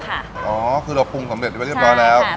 อ๋อเพราะเราคลุกสำเร็จไว้เรียบร้อยแล้ว